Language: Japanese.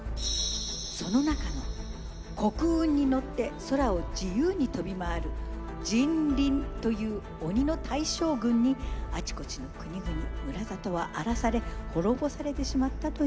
その中の黒雲に乗って空を自由に飛び回る「塵倫」という鬼の大将軍にあちこちの国々村里は荒らされ滅ぼされてしまったといいます。